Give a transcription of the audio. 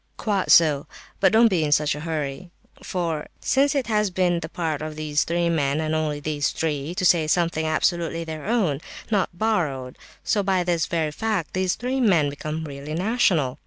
"Quite so, but don't be in such a hurry! For since it has been the part of these three men, and only these three, to say something absolutely their own, not borrowed, so by this very fact these three men become really national.